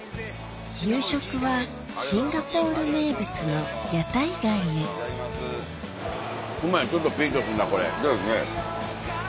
夕食はシンガポール名物の屋台街へうまいちょっとピリっとすんなこれ。ですね。